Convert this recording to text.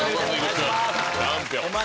チャンピオン「Ｍ−１」